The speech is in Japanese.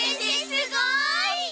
すごい！